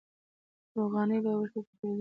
روغانۍ به ورته پخېدلې.